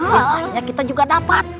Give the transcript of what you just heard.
yang hanya kita juga dapat